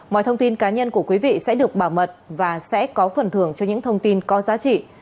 mọi thông tin cá nhân của quý vị sẽ được bảo mật và sẽ có phần thưởng cho những thông tin có giá trị